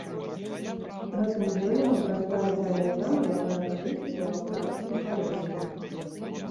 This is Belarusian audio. Гэтым зеллем абрасла і тая яма, якая калісьці была кулацкім калодзежам.